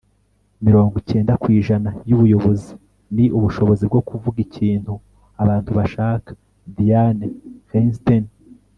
mirongo cyenda ku ijana y'ubuyobozi ni ubushobozi bwo kuvuga ikintu abantu bashaka. - dianne feinstein